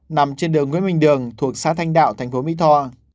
nằm trên đường nguyễn minh đường thuộc xã thanh đạo tp my tho